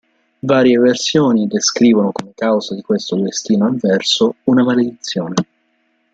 Varie versioni descrivono come causa di questo destino avverso, una maledizione.